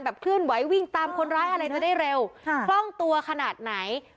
แบบขึ้นไว้วิ่งตามคนร้ายอะไรจะได้เร็วค่ะคล่องตัวขนาดไหน